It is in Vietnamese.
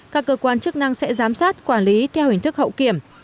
các cơ quan chức năng sẽ giám sát quản lý theo hình thức hậu kiểm